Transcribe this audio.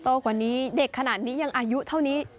กว่านี้เด็กขนาดนี้ยังอายุเท่านี้